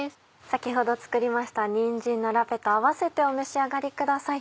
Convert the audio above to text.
先ほど作りましたにんじんのラペと合わせてお召し上がりください。